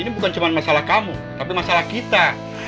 ini bukan cuma masalah kamu tapi masalah kita